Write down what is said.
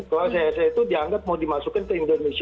kalau cs itu dianggap mau dimasukkan ke indonesia